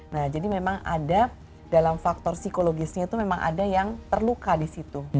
nah jadi memang ada dalam faktor psikologisnya itu memang ada yang terluka di situ